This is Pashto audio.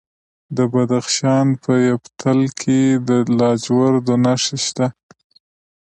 د بدخشان په یفتل کې د لاجوردو نښې شته.